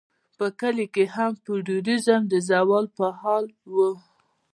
په کلیو کې هم فیوډالیزم د زوال په حال و.